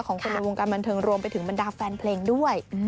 ของคนในวงการบันเทิงรวมไปถึงบรรดาแฟนเพลงด้วย